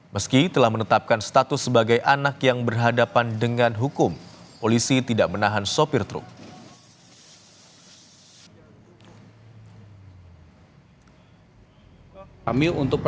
meski telah menetapkan status sebagai anak yang berhadapan dengan hukum polisi tidak menahan sopir truk